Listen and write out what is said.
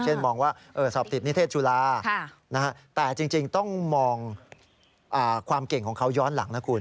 มองว่าสอบติดนิเทศจุฬาแต่จริงต้องมองความเก่งของเขาย้อนหลังนะคุณ